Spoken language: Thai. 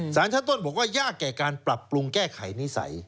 สารชั้นต้นบอกว่ายากแก่การปรับปรุงแก้ไขนิสัย